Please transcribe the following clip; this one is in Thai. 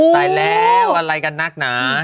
ตายแล้วอะไรกันนักหนา